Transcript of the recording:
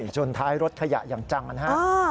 จนท้ายรถขยะยำจังมันห้าม